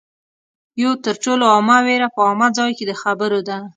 یوه تر ټولو عامه وېره په عامه ځای کې د خبرو ده